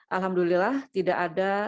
alhamdulillah tidak ada